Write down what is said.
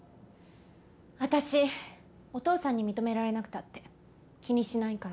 私お父さんに認められなくたって気にしないから。